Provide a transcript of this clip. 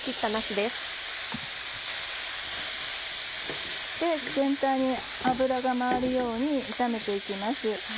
で全体に油が回るように炒めて行きます。